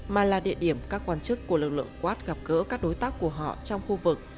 mà là địa điểm các quan chức của lực lượng quát gặp gỡ các đối tác của họ trong khu vực